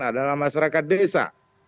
adalah masyarakat desa